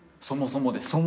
そもそも。